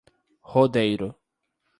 Rodeiro